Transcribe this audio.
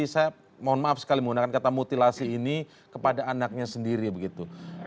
saya mohon maaf sekali menggunakan kata mutilasi ini kepada anaknya sendiri begitu